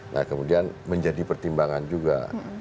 nah kemudian menjadi pertimbangan juga